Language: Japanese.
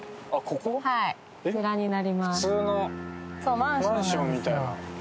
こちらになります。